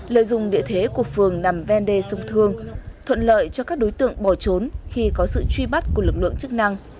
lợi dụng địa thế của phường nằm ven đê sông thương thuận lợi cho các đối tượng bỏ trốn khi có sự truy bắt của lực lượng chức năng